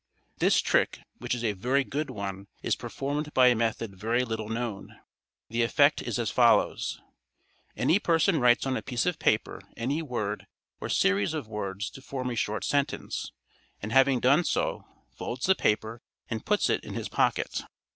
—This trick, which is a very good one, is performed by a method very little known. The effect is as follows:—Any person writes on a piece of paper any word or series of words to form a short sentence, and having done so, folds the paper and puts it in his pocket.